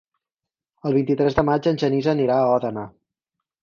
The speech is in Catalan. El vint-i-tres de maig en Genís anirà a Òdena.